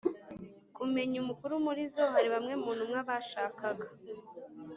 kumenya umukuru muri zo Hari bamwe mu ntumwa bashakaga